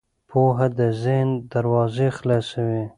پوهه د ذهن دروازې خلاصوي.